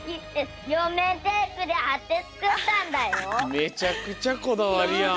めちゃくちゃこだわりやん。